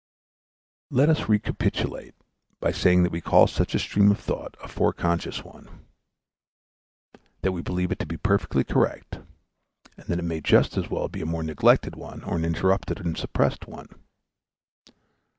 Let us recapitulate by saying that we call such a stream of thought a foreconscious one, that we believe it to be perfectly correct, and that it may just as well be a more neglected one or an interrupted and suppressed one.